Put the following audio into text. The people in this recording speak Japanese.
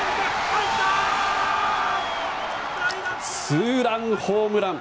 ツーランホームラン。